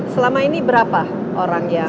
selama ini berapa orang yang